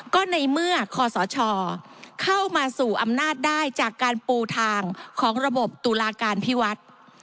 ก็ในเมื่อคศเข้ามาสู่อำนาจได้จากการปูทางของระบบตุลาการพิวัฒน์